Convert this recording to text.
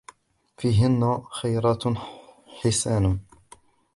فِيهِنَّ خَيْرَاتٌ حِسَانٌ